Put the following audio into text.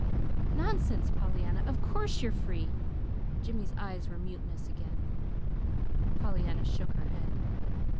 "Nonsense, Pollyanna! Of course you're free!" Jimmy's eyes were mutinous again. Pollyanna shook her head.